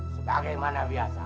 sebagai mana biasa